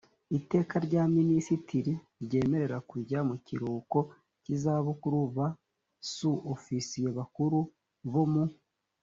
iteka rya minisitiri ryemerera kujya mu kiruhuko cy izabukuru ba su ofisiye bakuru bo mu